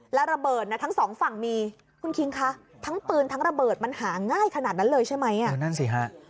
แล้วระเบิดทั้งสองฝั่งมีคุณคิงคะทั้งปืนทั้งระเบิดมันหาง่ายขนาดนั้นเลยใช่ไหม